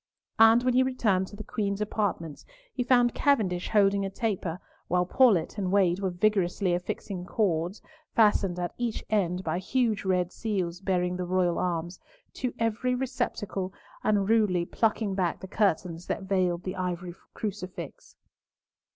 And when he returned to the Queen's apartments, he found Cavendish holding a taper, while Paulett and Wade were vigorously affixing cords, fastened at each end by huge red seals bearing the royal arms, to every receptacle, and rudely plucking back the curtains that veiled the ivory crucifix.